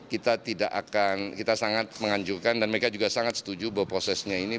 kita tidak akan kita sangat menganjurkan dan mereka juga sangat setuju bahwa prosesnya ini